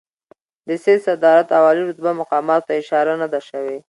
د سید صدارت او عالي رتبه مقاماتو ته اشاره نه ده شوې.